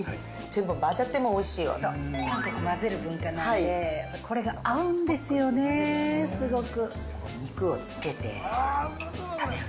韓国は混ぜる文化なので、これが合うんですよね、すごく。